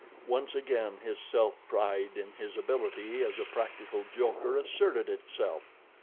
Once again his self pride in his ability as a practical joker asserted itself.